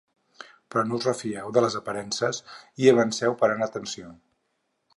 Però no us refieu de les aparences i avanceu parant atenció.